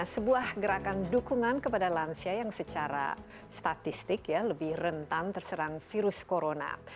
sebuah gerakan dukungan kepada lansia yang secara statistik ya lebih rentan terserang virus corona